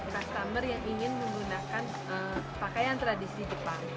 customer yang ingin menggunakan pakaian tradisi jepang